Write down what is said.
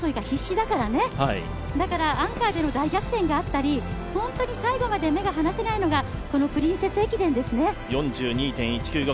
だからアンカーでの大逆転があったり、本当に最後まで目が離せないのがこのプリンセス駅伝ですね。４２．１９５